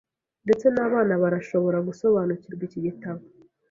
Ndetse n'abana barashobora gusobanukirwa iki gitabo.